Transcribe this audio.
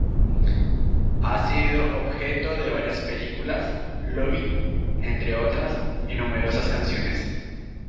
Ha sido objeto de varias películas -"Loving", entre otras- y numerosas canciones.